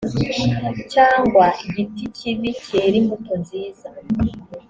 cyangwa igiti kibi cyera imbuto nziza ‽